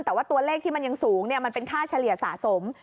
แต่ว่าตัวเลขที่มันยังสูงมันเป็นค่าเฉลี่ยสะสม